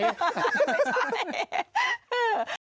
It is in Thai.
ไม่ใช่